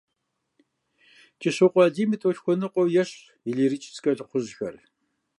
КӀыщокъуэ алим и тӀолъхуэныкъуэу ещхьщ и лирическэ лӀыхъужьыр.